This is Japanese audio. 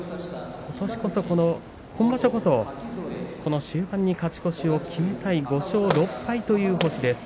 今場所こそ終盤に勝ち越しを決めたい５勝６敗という星です。